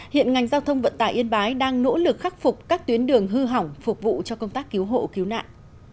hiện ngành giao thông vận tải yên bái đang nỗ lực khắc phục các tuyến đường hư hỏng phục vụ cho công tác cứu hộ cứu nạn